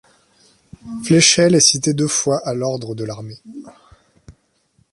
Fleischel est cité deux fois à l'ordre de l'armée.